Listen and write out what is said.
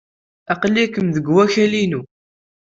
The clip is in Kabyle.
Aql-iken deg wakal-inu.